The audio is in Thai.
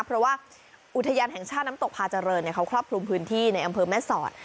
เพราะว่าอุทยานแห่งชาติน้ำตกพาเจริญเขาครอบคลุมพื้นที่ในอำเภอแม่สอด